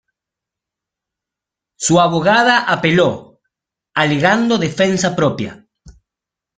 Su abogada apeló, alegando defensa propia.